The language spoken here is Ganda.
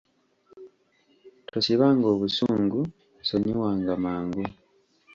Tosibanga obusungu, sonyiwanga mangu.